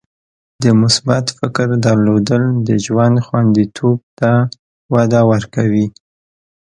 د مثبت فکر درلودل د ژوند خوندیتوب ته وده ورکوي.